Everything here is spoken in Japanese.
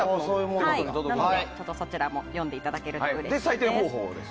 そちらも読んでいただけるとうれしいです。